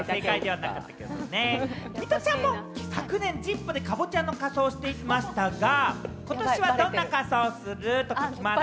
ミトちゃんも昨年、『ＺＩＰ！』でかぼちゃの仮装をしていましたが、ことしはどんな仮装をする？